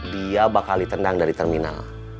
dia bakal ditendang dari terminal